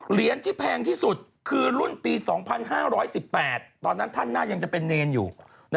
เหรียญที่แพงที่สุดคือรุ่นปี๒๕๑๘ตอนนั้นท่านน่ายังจะเป็นเนรอยู่